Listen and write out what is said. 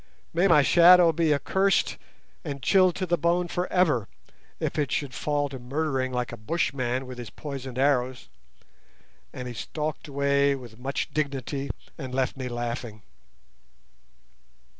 May my shadow be accursed and chilled to the bone for ever if it should fall to murdering like a bushman with his poisoned arrows!" And he stalked away with much dignity, and left me laughing.